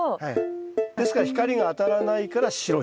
ですから光が当たらないから白い。